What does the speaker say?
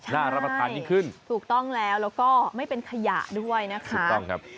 รับประทานยิ่งขึ้นถูกต้องแล้วแล้วก็ไม่เป็นขยะด้วยนะคะถูกต้องครับ